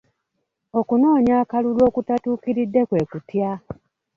Okunoonya akalulu okutatuukiridde kwe kutya?